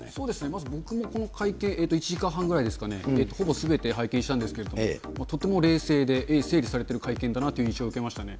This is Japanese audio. まず僕もこの会見、１時間半ぐらいですかね、ほぼすべて拝見したんですけれども、とっても冷静で整理されてる会見だなという印象を受けましたね。